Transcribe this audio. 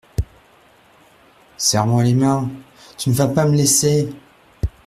Serre-moi les mains, tu ne vas pas me laisser !